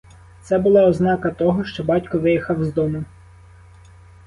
Це була ознака того, що батько виїхав з дому.